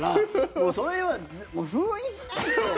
もうそれは封印しないと。